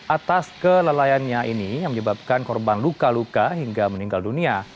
atas kelelayannya ini yang menyebabkan korban luka luka hingga meninggal dunia